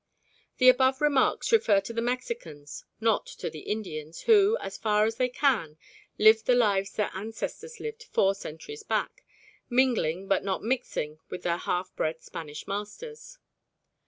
The above remarks refer to the Mexicans, not to the Indians, who, as far as they can, live the lives their ancestors lived four centuries back, mingling but not mixing with their half bred Spanish masters.